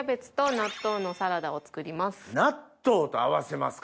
納豆と合わせますか。